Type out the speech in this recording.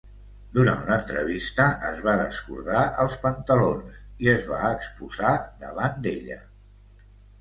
Durant l'entrevista es va descordar els pantalons i es va exposar davant d'ella.